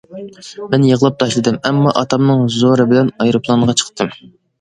مەن يىغلاپ تاشلىدىم، ئەمما ئاتامنىڭ زورى بىلەن ئايروپىلانغا چىقتىم.